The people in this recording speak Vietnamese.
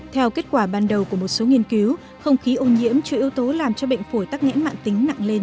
theo kết quả ban đầu của một số nghiên cứu không khí ô nhiễm cho yếu tố làm cho bệnh phổi tắc nghẽn mạng tính nặng lên